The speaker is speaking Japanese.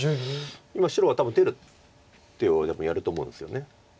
今白が多分出る手をやると思うんですよね。